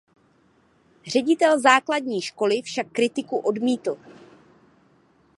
Ředitel základní školy však kritiku odmítl.